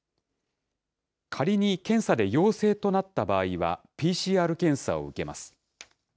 仮に検査で陽性となった場合は、ＰＣＲ検査を受けます。